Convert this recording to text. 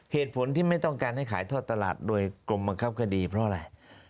เหตุผลที่ไม่ต้องการให้ขายทอดตลาดโดยกรมบังคับคดีเพราะอะไร